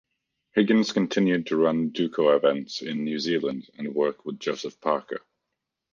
Higgins continues to run Duco Events in New Zealand and work with Joseph Parker.